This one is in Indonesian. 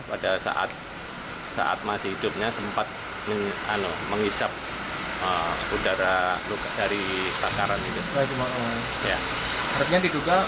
pada saat saat masih hidupnya sempat mengisap udara luka dari takaran hidup ya kemudian diduga